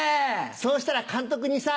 そうしたら監督にさ